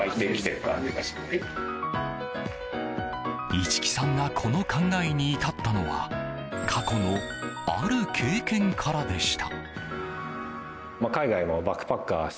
市来さんがこの考えに至ったのは過去の、ある経験からでした。